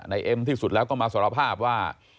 เอ็มที่สุดแล้วก็มาสารภาพว่า